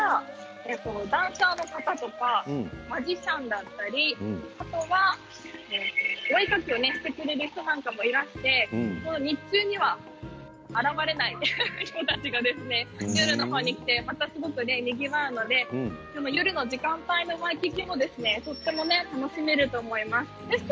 ダンサーの方とかマジシャンだったりあとは、お絵描きをしてくれる人なんかもいまして日中には現れない人たちがこちらの方に来てまたすごくにぎわうので夜の時間帯のワイキキもとても楽しめると思います。